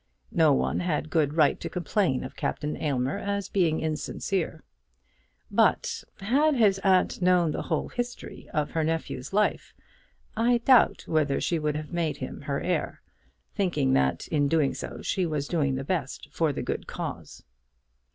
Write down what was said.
No one had good right to complain of Captain Aylmer as being insincere; but had his aunt known the whole history of her nephew's life, I doubt whether she would have made him her heir, thinking that in doing so she was doing the best for the good cause.